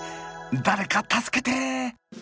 誰か助けて！